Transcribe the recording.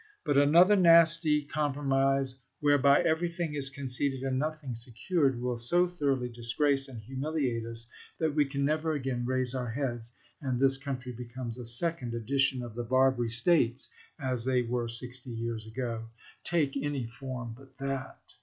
But another nasty compromise, where by everything is conceded and nothing secured, will so thoroughly disgrace and humiliate us that we can never again raise our heads, and this country becomes a second edition of the Barbary States, as they were sixty years ago. ' Take any form but that.'